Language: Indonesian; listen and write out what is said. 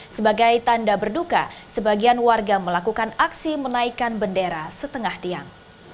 sebagai tanda berduka sebagian warga melakukan aksi menaikan bendera setengah tiang